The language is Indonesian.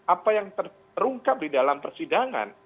apa yang terungkap di dalam persidangan